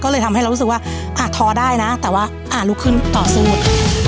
ก็เลยทำให้เรารู้สึกว่าอาจท้อได้นะแต่ว่าอาจลุกขึ้นต่อสู้